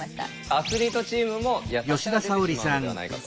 アスリートチームも「優しさが出てしまうのではないか」と。